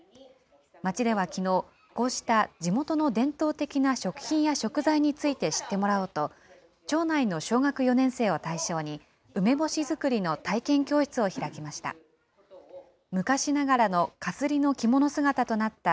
町ではきのう、こうした地元の伝統的な食品や食材について知ってもらおうと、町内の小学４年生を対象に、梅干し作りの体験教室を開きました。